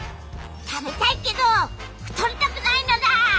食べたいけど太りたくないのだ！